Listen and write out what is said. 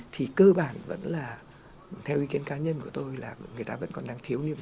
thì cơ bản vẫn là theo ý kiến cá nhân của tôi là người ta vẫn còn đang thiếu niên